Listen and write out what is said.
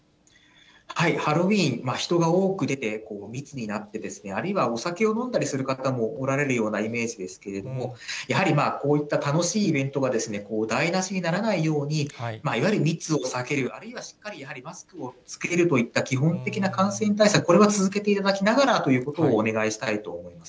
ハロウィーン、人が多く出て、密になって、あるいはお酒を飲んだりする方もおられるようなイメージですけれども、やはりこういった楽しいイベントが台無しにならないように、いわゆる密を避ける、あるいはしっかりマスクを着けるといった基本的な感染対策、これは続けていただきながらということをお願いしたいと思います。